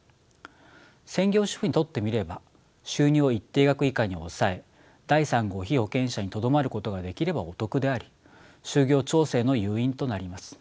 専業主婦にとってみれば収入を一定額以下に抑え第３号被保険者にとどまることができればお得であり就業調整の誘因となります。